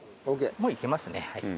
もういけますね。